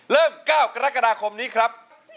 เริ่ม๙กรกฎาคมนี้ครับ